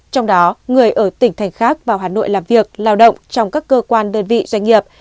trong đó người ở tỉnh thành khác vào hà nội làm việc lao động trong các cơ quan đơn vị doanh nghiệp